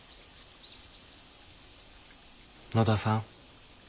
野田さん。